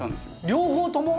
両方とも？